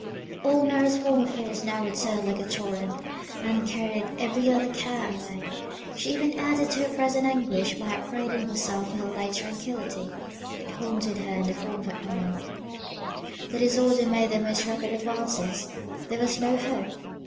All Mary's former fears now returned like a torrent, and carried every other care away; she even added to her present anguish by upbraiding herself for her late tranquillity it haunted her in the form of a crime. The disorder made the most rapid advances there was no hope!